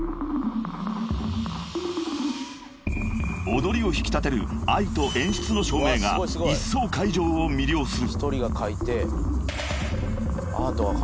［踊りを引き立てるＡＩＴＯ演出の照明がいっそう会場を魅了する］